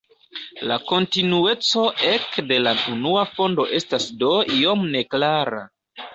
La kontinueco ek de la unua fondo estas do iom neklara.